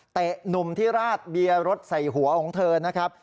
หนุ่มที่ราดเบียร์รถใส่หัวของเธอนะครับ